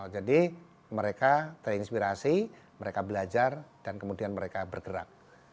jadi mereka terinspirasi mereka belajar dan kemudian mereka bergerak